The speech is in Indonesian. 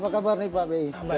apa kabar pak beyi